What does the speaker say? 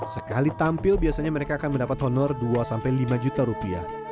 sekali tampil biasanya mereka akan mendapat honor dua lima juta rupiah